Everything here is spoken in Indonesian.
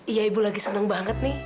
iya ibu lagi senang banget nih